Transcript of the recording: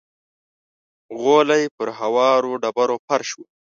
غولی پر هوارو ډبرو فرش و.